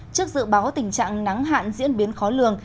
trước dự báo tình trạng nắng hạn diễn biến khó lường